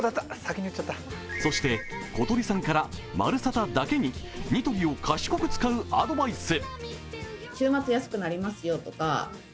そしてことりさんから「まるサタ」だけにニトリを賢く使うアドバイス。